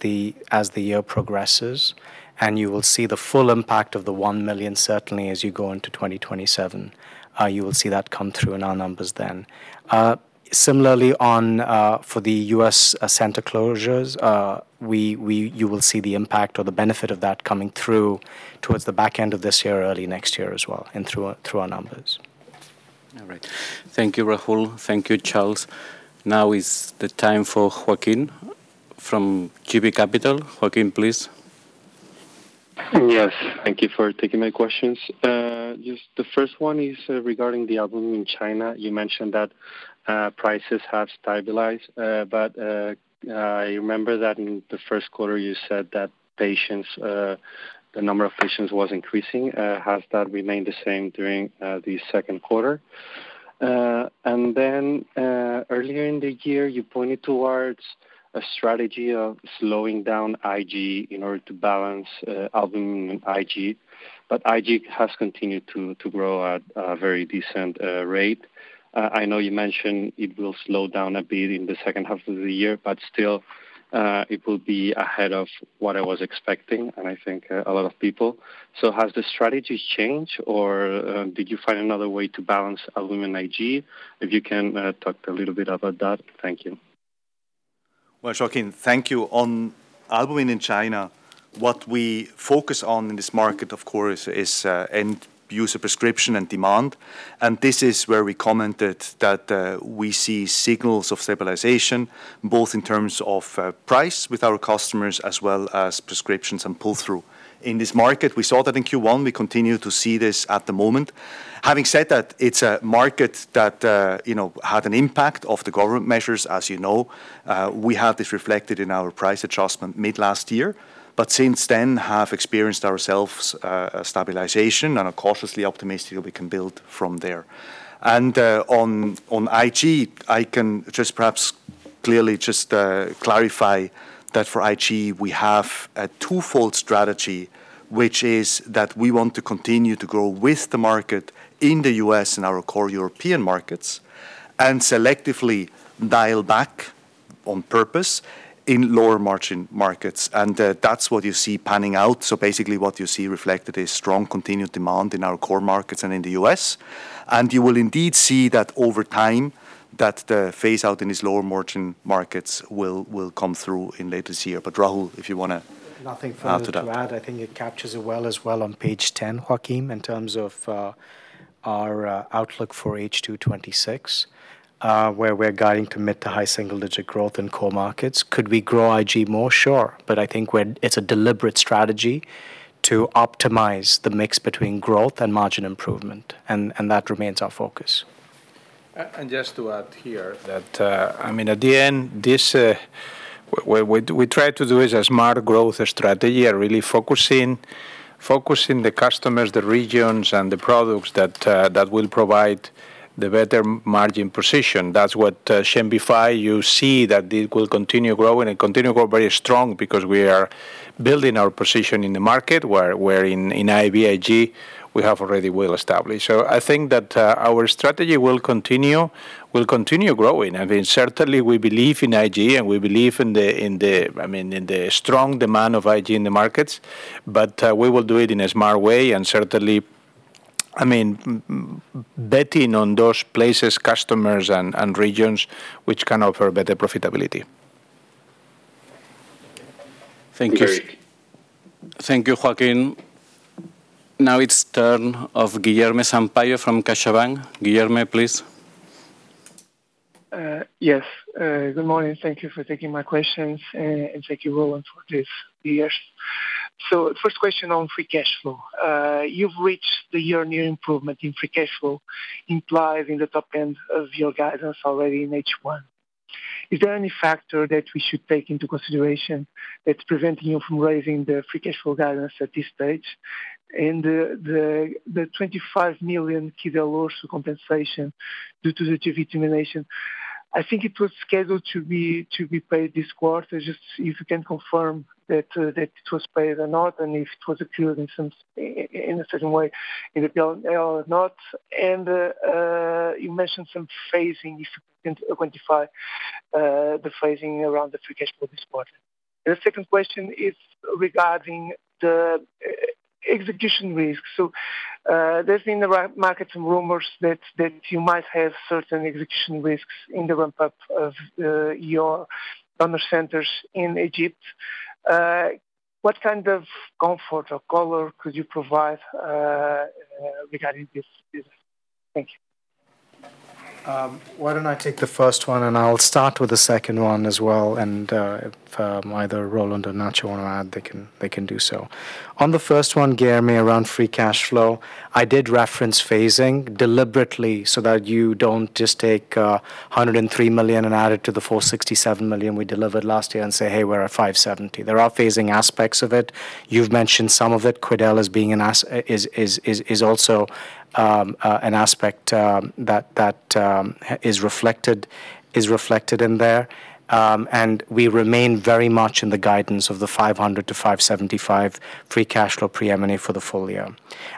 the year progresses, and you will see the full impact of the one million certainly as you go into 2027. You will see that come through in our numbers then. Similarly, for the U.S. center closures, you will see the impact or the benefit of that coming through towards the back end of this year, early next year as well, and through our numbers. All right. Thank you, Rahul. Thank you, Charles. Now is the time for Joaquín from JB Capital. Joaquín, please. Yes. Thank you for taking my questions. Just the first one is regarding the Albumin in China. You mentioned that prices have stabilized, but I remember that in the first quarter, you said that the number of patients was increasing. Has that remained the same during the second quarter? Earlier in the year, you pointed towards a strategy of slowing down IG in order to balance Albumin and IG, but IG has continued to grow at a very decent rate. I know you mentioned it will slow down a bit in the second half of the year, but still it will be ahead of what I was expecting, and I think a lot of people. Has the strategy changed, or did you find another way to balance Albumin IG? If you can talk a little bit about that. Thank you. Well, Joaquín, thank you. On Albumin in China, what we focus on in this market, of course, is end user prescription and demand. This is where we commented that we see signals of stabilization, both in terms of price with our customers as well as prescriptions and pull-through. In this market, we saw that in Q1, we continue to see this at the moment. Having said that, it's a market that had an impact of the government measures, as you know. We had this reflected in our price adjustment mid last year, but since then have experienced ourselves a stabilization and are cautiously optimistic that we can build from there. On IG, I can just perhaps clearly clarify that for IG, we have a twofold strategy, which is that we want to continue to grow with the market in the U.S. and our core European markets, and selectively dial back on purpose in lower margin markets. That's what you see panning out. Basically what you see reflected is strong continued demand in our core markets and in the U.S. You will indeed see that over time that the phase out in these lower margin markets will come through in later this year. Rahul, if you want to add to that. Nothing further to add. I think it captures it well as well on page 10, Joaquín, in terms of our outlook for H2 2026, where we're guiding to mid-to-high single-digit growth in core markets. Could we grow IG more? Sure. I think it's a deliberate strategy to optimize the mix between growth and margin improvement, and that remains our focus. Just to add here that, at the end, what we try to do is a smart growth strategy and really focusing the customers, the regions, and the products that will provide the better margin position. That's what XEMBIFY, you see that it will continue growing and continue grow very strong because we are building our position in the market where in IVIG we have already well established. I think that our strategy will continue growing. Certainly we believe in IG and we believe in the strong demand of IG in the markets, we will do it in a smart way, and certainly betting on those places, customers, and regions which can offer better profitability. Thank you. Thank you, Joaquín. Now it's turn of Guilherme Sampaio from CaixaBank. Guilherme, please. Yes. Good morning. Thank you for taking my questions, and thank you, Roland, for this year. First question on free cash flow. You've reached the year-over-year improvement in free cash flow implied in the top end of your guidance already in H1. Is there any factor that we should take into consideration that's preventing you from raising the free cash flow guidance at this stage? The 25 million Quidel compensation due to the JV termination, I think it was scheduled to be paid this quarter. Just if you can confirm that it was paid or not, and if it was included in a certain way in the P&L or not. You mentioned some phasing, if you can quantify the phasing around the free cash flow this quarter. The second question is regarding the execution risk. There's been in the market some rumors that you might have certain execution risks in the ramp-up of your donor centers in Egypt. What kind of comfort or color could you provide regarding this? Thank you. Why don't I take the first one, and I'll start with the second one as well, and if either Roland or Nacho want to add, they can do so. On the first one, Guilherme, around free cash flow, I did reference phasing deliberately so that you don't just take 103 million and add it to the 467 million we delivered last year and say, "Hey, we're at 570 million." There are phasing aspects of it. You've mentioned some of it. Quidel is also an aspect that is reflected in there. We remain very much in the guidance of the 500 million-575 million free cash flow pre-M&A for the full year.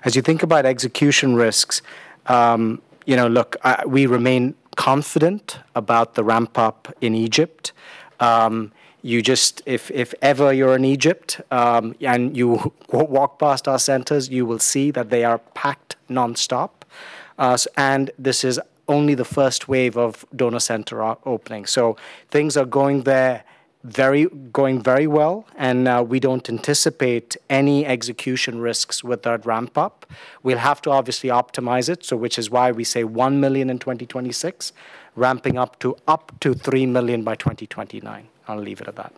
As you think about execution risks, look, we remain confident about the ramp-up in Egypt. If ever you're in Egypt, and you walk past our centers, you will see that they are packed nonstop. This is only the first wave of donor center opening. Things are going very well, and we don't anticipate any execution risks with that ramp-up. We'll have to obviously optimize it, which is why we say one million in 2026, ramping up to three million by 2029. I'll leave it at that.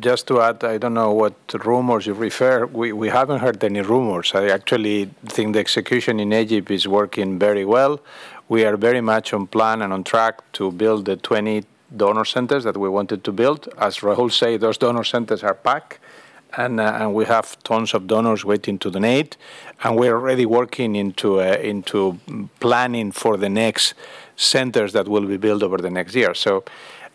Just to add, I don't know what rumors you refer. We haven't heard any rumors. I actually think the execution in Egypt is working very well. We are very much on plan and on track to build the 20 donor centers that we wanted to build. As Rahul say, those donor centers are packed, and we have tons of donors waiting to donate, and we're already working into planning for the next centers that will be built over the next year.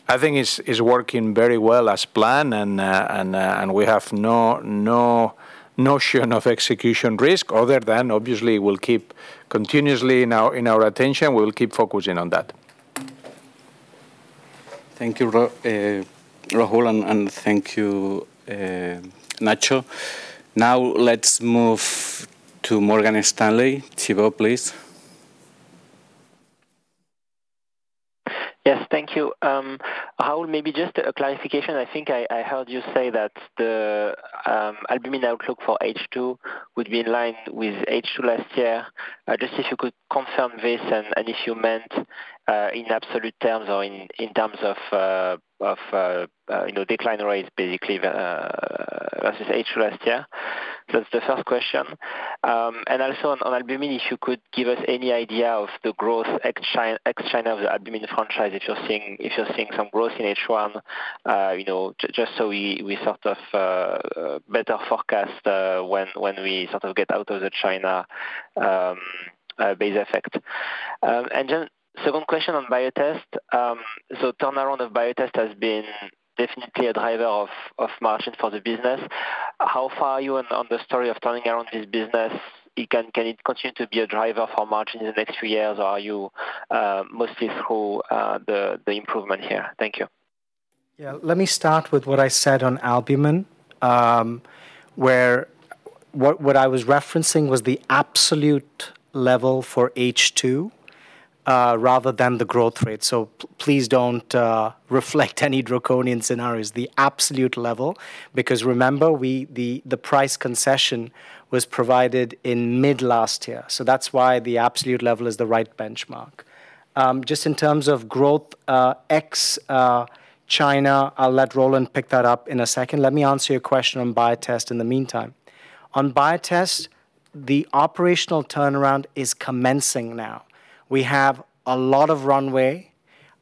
I think it's working very well as planned, and we have no notion of execution risk other than obviously we'll keep continuously in our attention, we'll keep focusing on that. Thank you, Rahul, and thank you, Nacho. Now let's move to Morgan Stanley. Thibault, please. Yes, thank you. Rahul, maybe just a clarification. I think I heard you say that the Albumin outlook for H2 would be in line with H2 last year. Just if you could confirm this and if you meant in absolute terms or in terms of decline rate basically versus H2 last year. That's the first question. Also on Albumin, if you could give us any idea of the growth ex China of the Albumin franchise, if you're seeing some growth in H1, just so we better forecast when we get out of the China base effect. Second question on Biotest. Turnaround of Biotest has been definitely a driver of margin for the business. How far are you on the story of turning around this business? Can it continue to be a driver for margin in the next few years? Are you mostly through the improvement here? Thank you. Yeah. Let me start with what I said on Albumin, where what I was referencing was the absolute level for H2 rather than the growth rate. Please don't reflect any draconian scenarios, the absolute level, because remember, the price concession was provided in mid last year, so that's why the absolute level is the right benchmark. Just in terms of growth ex China, I'll let Roland pick that up in a second. Let me answer your question on Biotest in the meantime. On Biotest, the operational turnaround is commencing now. We have a lot of runway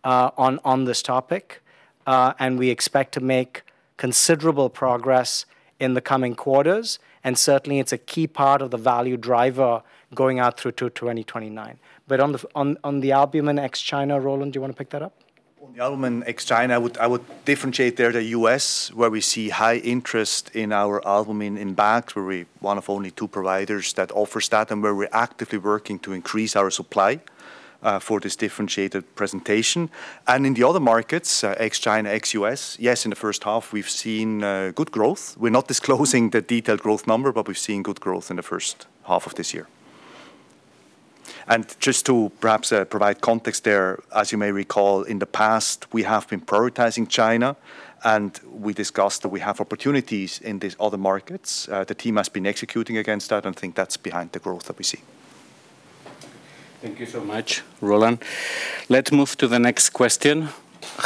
on this topic, and we expect to make considerable progress in the coming quarters, and certainly it's a key part of the value driver going out through to 2029. On the Albumin ex China, Roland, do you want to pick that up? On the Albumin ex China, I would differentiate there the U.S., where we see high interest in our Albumin in bags, where we're one of only two providers that offers that, and where we're actively working to increase our supply for this differentiated presentation. In the other markets, ex China, ex U.S., yes, in the first half we've seen good growth. We're not disclosing the detailed growth number, but we've seen good growth in the first half of this year. Just to perhaps provide context there, as you may recall, in the past we have been prioritizing China, and we discussed that we have opportunities in these other markets. The team has been executing against that, and think that's behind the growth that we see. Thank you so much, Roland. Let's move to the next question.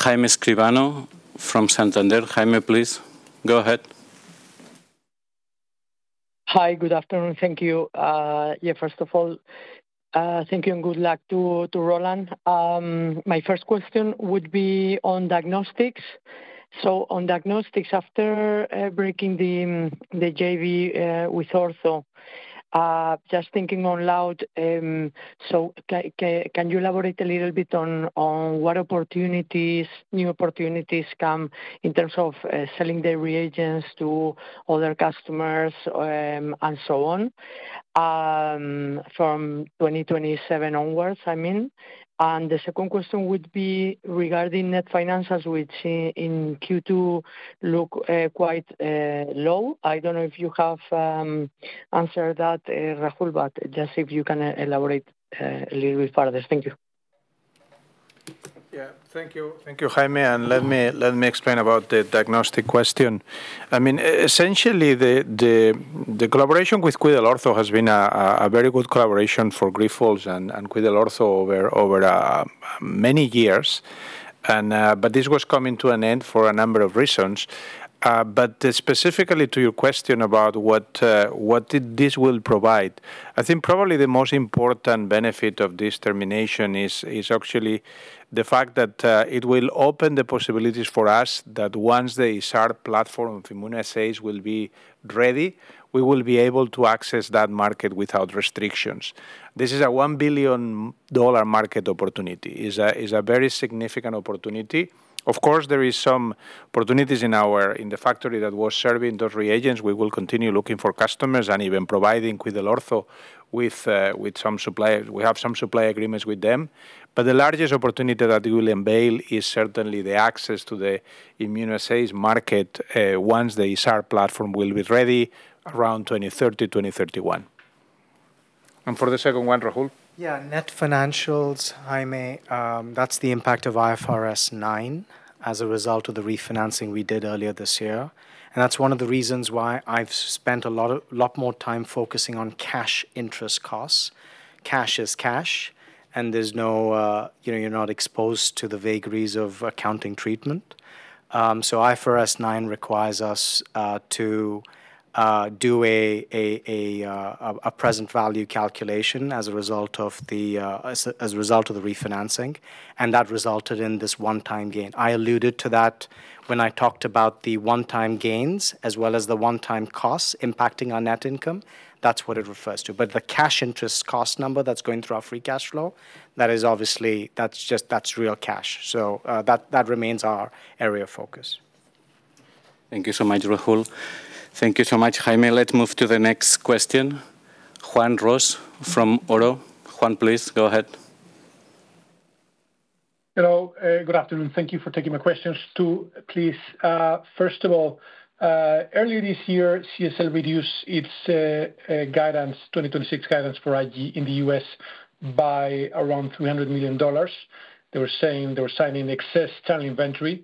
Jaime Escribano from Santander. Jaime, please go ahead. Hi. Good afternoon. Thank you. First of all, thank you and good luck to Roland. My first question would be on diagnostics. On diagnostics, after breaking the JV with Ortho, just thinking out loud, can you elaborate a little bit on what new opportunities come in terms of selling the reagents to other customers and so on? From 2027 onwards, I mean. The second question would be regarding net finances, which in Q2 look quite low. I don't know if you have answered that, Rahul, but just if you can elaborate a little bit further. Thank you. Thank you, Jaime, and let me explain about the diagnostic question. Essentially, the collaboration with QuidelOrtho has been a very good collaboration for Grifols and QuidelOrtho over many years. This was coming to an end for a number of reasons. Specifically to your question about what this will provide, I think probably the most important benefit of this termination is actually the fact that it will open the possibilities for us that once the ISAR platform of immunoassays will be ready, we will be able to access that market without restrictions. This is a EUR 1 billion market opportunity. Is a very significant opportunity. Of course, there is some opportunities in the factory that was serving those reagents. We will continue looking for customers and even providing QuidelOrtho with some supply. We have some supply agreements with them, the largest opportunity that it will unveil is certainly the access to the immunoassays market once the ISAR platform will be ready around 2030, 2031. For the second one, Rahul? Net financials, Jaime, that's the impact of IFRS 9 as a result of the refinancing we did earlier this year, that's one of the reasons why I've spent a lot more time focusing on cash interest costs. Cash is cash, you're not exposed to the vagaries of accounting treatment. IFRS 9 requires us to do a present value calculation as a result of the refinancing, that resulted in this one-time gain. I alluded to that when I talked about the one-time gains as well as the one-time costs impacting our net income. That's what it refers to. The cash interest cost number that's going through our free cash flow, that's real cash. That remains our area of focus. Thank you so much, Rahul. Thank you so much, Jaime. Let's move to the next question. Juan Ros from ODDO. Juan, please go ahead. Hello. Good afternoon. Thank you for taking my questions too, please. First of all, earlier this year, CSL reduced its 2026 guidance for IG in the U.S. by around $300 million. They were saying they were citing excess channel inventory.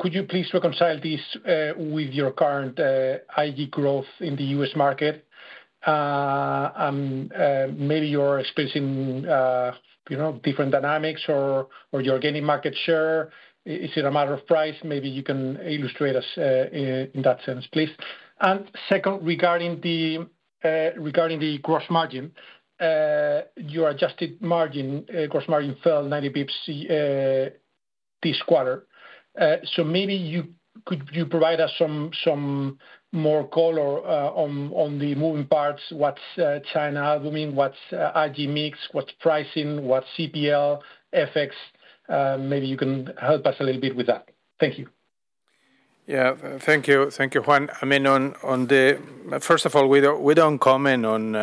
Could you please reconcile this with your current IG growth in the U.S. market? Maybe you're experiencing different dynamics or you're gaining market share. Is it a matter of price? Maybe you can illustrate us in that sense, please. Second, regarding the gross margin, your adjusted gross margin fell 90 basis points this quarter. Maybe could you provide us some more color on the moving parts, what's China Albumin, what's IG mix, what's pricing, what's CPL, FX? Maybe you can help us a little bit with that. Thank you. Yeah, thank you, Juan. First of all, we don't comment on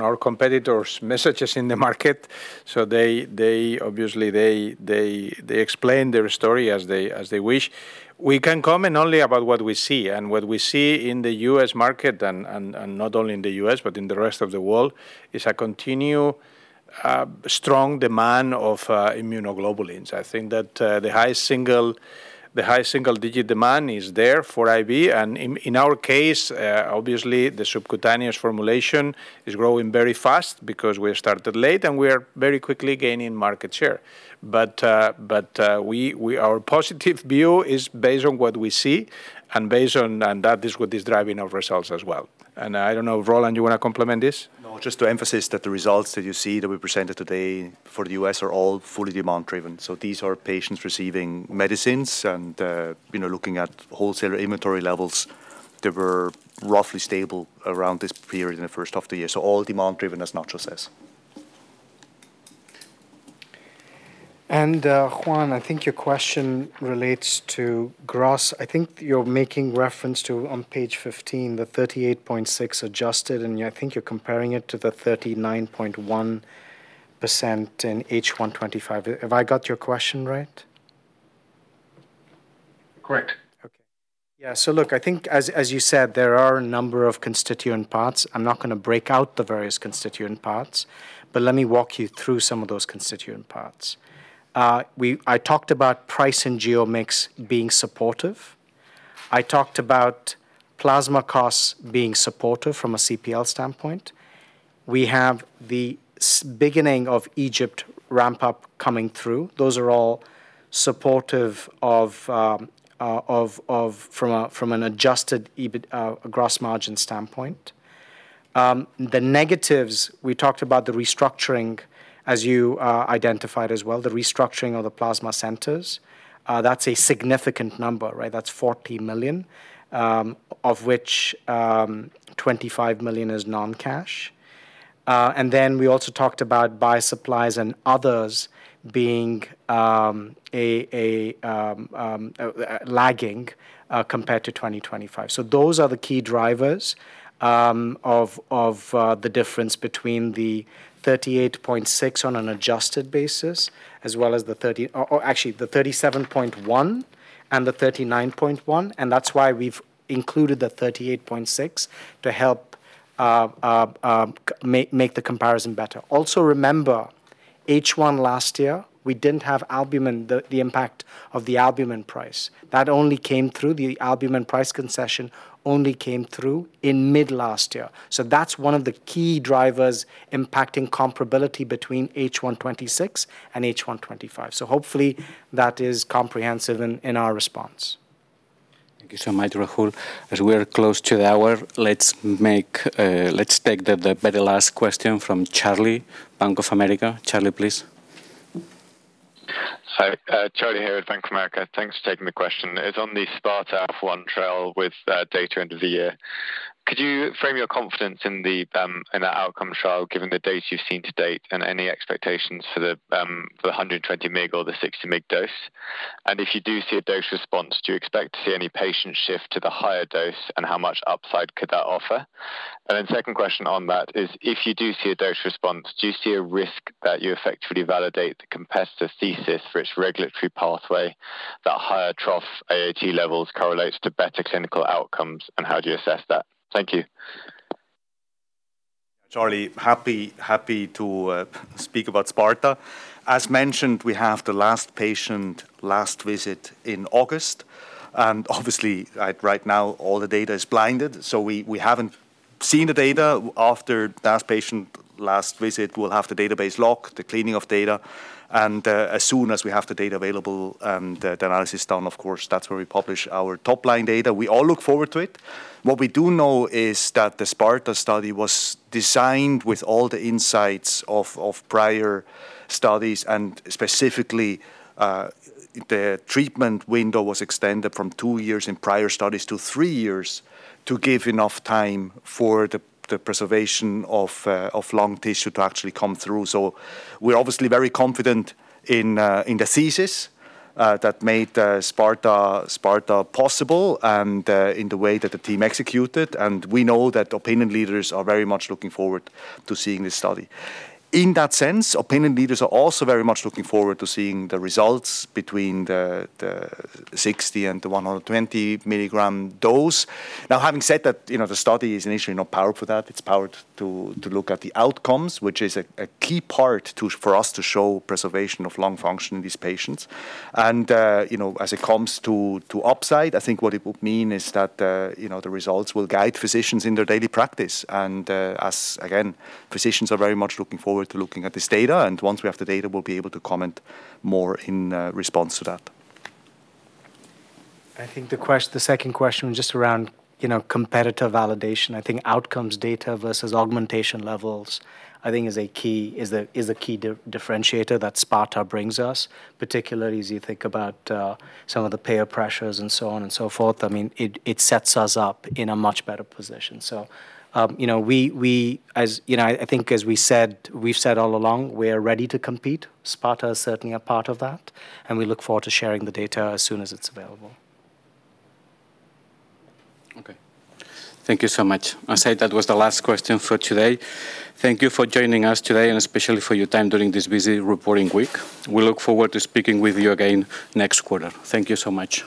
our competitors' messages in the market. Obviously, they explain their story as they wish. We can comment only about what we see. What we see in the U.S. market, and not only in the U.S., but in the rest of the world, is a continued strong demand of immunoglobulins. I think that the high single-digit demand is there for IV. In our case, obviously, the subcutaneous formulation is growing very fast because we started late and we are very quickly gaining market share. Our positive view is based on what we see, and that is what is driving our results as well. I don't know, Roland, you want to complement this? No, just to emphasize that the results that you see that we presented today for the U.S. are all fully demand-driven. These are patients receiving medicines and looking at wholesaler inventory levels that were roughly stable around this period in the first half of the year. All demand-driven, as Nacho says. Juan, I think your question relates to gross. I think you're making reference to, on page 15, the 38.6% adjusted, and I think you're comparing it to the 39.1% in H1 2025. Have I got your question right? Correct. Okay. Yeah. Look, I think as you said, there are a number of constituent parts. I'm not going to break out the various constituent parts, but let me walk you through some of those constituent parts. I talked about price and geo mix being supportive. I talked about plasma costs being supportive from a CPL standpoint. We have the beginning of Egypt ramp-up coming through. Those are all supportive from an adjusted gross margin standpoint. The negatives, we talked about the restructuring as you identified as well, the restructuring of the plasma centers. That's a significant number, right? That's 40 million, of which 25 million is non-cash. Then we also talked about Bio Supplies and others lagging compared to 2025. Those are the key drivers of the difference between the 38.6% on an adjusted basis as well as the Actually, the 37.1% and the 39.1%, and that's why we've included the 38.6% to help make the comparison better. Also remember, H1 last year, we didn't have the impact of the Albumin price. The Albumin price concession only came through in mid last year. That's one of the key drivers impacting comparability between H1 2026 and H1 2025. Hopefully that is comprehensive in our response. Thank you so much, Rahul. As we are close to the hour, let's take the very last question from Charlie, Bank of America. Charlie, please. Hi. Charlie here with Bank of America. Thanks for taking the question. It's on the SPARTA trial with data end of the year. Could you frame your confidence in the outcome trial given the data you've seen to date and any expectations for the 120 mig or the 60 mig dose? If you do see a dose response, do you expect to see any patient shift to the higher dose, and how much upside could that offer? Then second question on that is, if you do see a dose response, do you see a risk that you effectively validate the competitor's thesis for its regulatory pathway that higher trough AAT levels correlates to better clinical outcomes, and how do you assess that? Thank you. Charlie, happy to speak about SPARTA. As mentioned, we have the last patient last visit in August. Obviously right now all the data is blinded, so we haven't seen the data. After last patient last visit, we'll have the database lock, the cleaning of data, and as soon as we have the data available and the analysis done, of course, that's where we publish our top-line data. We all look forward to it. What we do know is that the SPARTA study was designed with all the insights of prior studies, and specifically, the treatment window was extended from two years in prior studies to three years to give enough time for the preservation of lung tissue to actually come through. We're obviously very confident in the thesis that made SPARTA possible and in the way that the team executed, and we know that opinion leaders are very much looking forward to seeing this study. In that sense, opinion leaders are also very much looking forward to seeing the results between the 60 mg and the 120 mg dose. Now, having said that, the study is initially not powered for that. It's powered to look at the outcomes, which is a key part for us to show preservation of lung function in these patients. As it comes to upside, I think what it would mean is that the results will guide physicians in their daily practice. As, again, physicians are very much looking forward to looking at this data, and once we have the data, we'll be able to comment more in response to that. I think the second question was just around competitor validation. I think outcomes data versus augmentation levels, I think is a key differentiator that SPARTA brings us, particularly as you think about some of the payer pressures and so on and so forth. It sets us up in a much better position. I think as we've said all along, we're ready to compete. SPARTA is certainly a part of that, and we look forward to sharing the data as soon as it's available. Okay. Thank you so much. I say that was the last question for today. Thank you for joining us today, and especially for your time during this busy reporting week. We look forward to speaking with you again next quarter. Thank you so much